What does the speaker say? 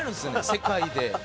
世界で。